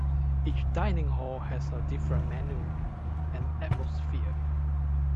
Each dining hall has a different menu and atmosphere.